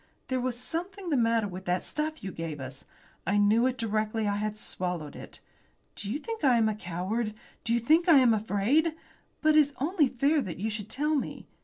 There was something the matter with that stuff you gave us. I knew it directly I had swallowed it. Do you think I am a coward? Do you think I am afraid? But it is only fair that you should tell me.